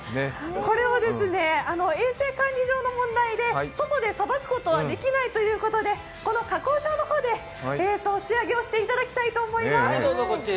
これを衛生管理上の門だいて外でさばくことはできないということで、この加工場の方で仕上げをしていただきたいと思います。